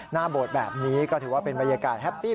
โบสถ์แบบนี้ก็ถือว่าเป็นบรรยากาศแฮปปี้